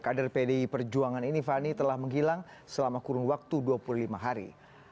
kader pdi perjuangan ini fani telah menghilang selama kurun waktu dua puluh lima hari